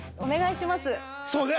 そうね